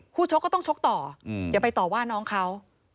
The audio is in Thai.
ชกก็ต้องชกต่ออย่าไปต่อว่าน้องเขา